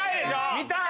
見たい！